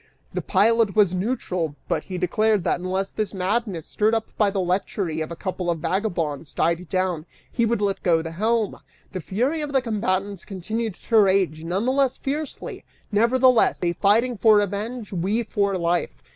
The pilot was neutral, but he declared that unless this madness, stirred up by the lechery of a couple of vagabonds, died down, he would let go the helm! The fury of the combatants continued to rage none the less fiercely, nevertheless, they fighting for revenge, we for life.